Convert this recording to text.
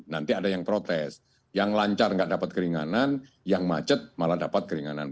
nanti ada yang protes yang lancar nggak dapat keringanan yang macet malah dapat keringanan